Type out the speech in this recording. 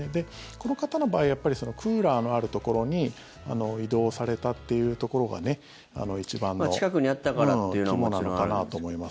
この方の場合、やっぱりクーラーのあるところに移動されたっていうところが一番の肝なのかなと思います。